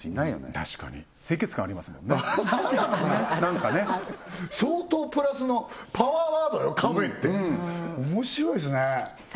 確かに清潔感ありますもんねなんかね相当プラスのパワーワードよ「カフェ」って面白いですねさあ